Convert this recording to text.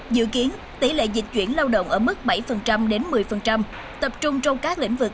dự kiến tỷ lệ dịch chuyển lao động ở mức bảy đến một mươi tập trung trong các lĩnh vực